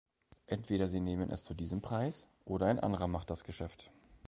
Entweder Sie nehmen es zu diesem Preis, oder ein anderer macht das Geschäft.